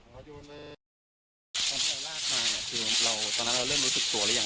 มาดูตอนที่เราลากมาเนี่ยคือเราตอนนั้นเราเริ่มรู้สึกตัวหรือยัง